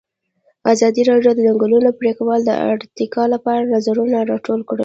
ازادي راډیو د د ځنګلونو پرېکول د ارتقا لپاره نظرونه راټول کړي.